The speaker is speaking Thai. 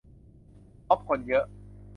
ม๊อบคนเยอะ